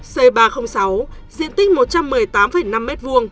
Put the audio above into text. c ba trăm linh sáu diện tích một trăm một mươi tám năm m hai